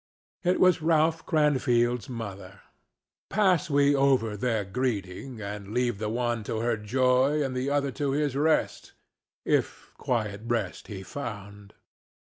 It was Ralph Cranfield's mother. Pass we over their greeting, and leave the one to her joy and the other to his rest—if quiet rest he found.